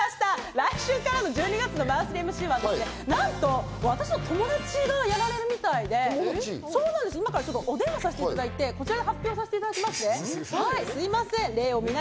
来月からのマンスリーＭＣはなんと私の友達がやられるみたいで、今からお電話をさせていただきまして、発表させていただきます。